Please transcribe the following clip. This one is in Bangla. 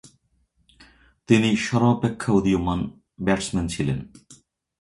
তিনি সর্বাপেক্ষা উদীয়মান ব্যাটসম্যান ছিলেন।